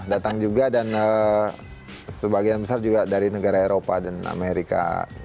datang juga dan sebagian besar juga dari negara eropa dan amerika